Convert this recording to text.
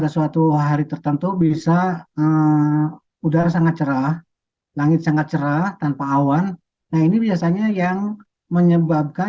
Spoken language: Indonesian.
suhu di indonesia akan memasuki musim kemarau